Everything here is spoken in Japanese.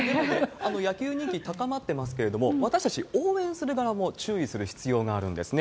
野球人気高まってますけれども、私たち応援する側も、注意する必要があるんですね。